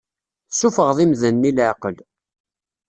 Tessufɣeḍ imdanen i leɛqel.